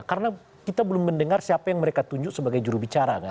karena kita belum mendengar siapa yang mereka tunjuk sebagai jurubicara kan